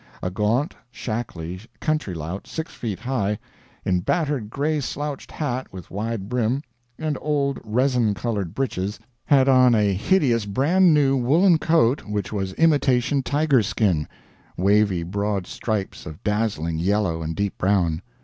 A gaunt, shackly country lout six feet high, in battered gray slouched hat with wide brim, and old resin colored breeches, had on a hideous brand new woolen coat which was imitation tiger skin wavy broad stripes of dazzling yellow and deep brown.